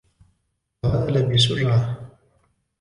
تعالَ بسرعة!